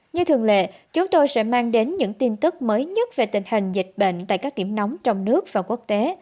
như thường lệ chúng tôi sẽ mang đến những tin tức mới nhất về tình hình dịch bệnh tại các điểm nóng trong nước và quốc tế